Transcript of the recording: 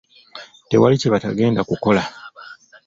Tewali kye batagenda kukola.